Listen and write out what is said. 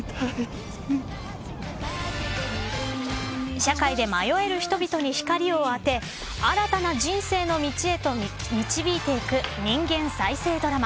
社会で迷える人々に光を当て新たな人生の道へと導いていく人間再生ドラマ。